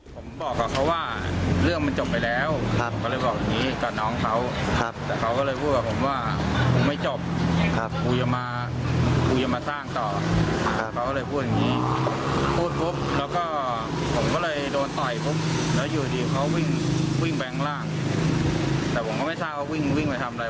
แต่ผมก็ไม่ทราบว่าวิ่งไปทำอะไร